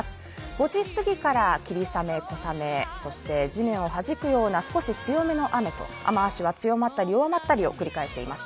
５時すぎから霧雨、小雨、そして地面をはじくような少し強めの雨と雨足は強まったり弱まったりを繰り返しています